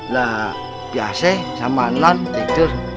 lah biasa sama nan tidur